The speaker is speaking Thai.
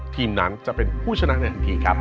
ทีมนั้นจะเป็นผู้ชนะในทันทีครับ